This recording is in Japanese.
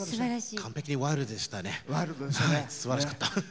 完璧にワイルドでしたね。